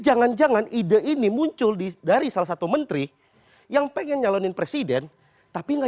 jangan jangan ide ini muncul di dari salah satu menteri yang pengen nyalonin presiden tapi enggak